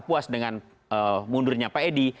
puas dengan mundurnya pak edi